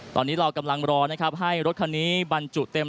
ตอนนี้เรากำลังรอนะครับให้รถคันนี้บรรจุเต็ม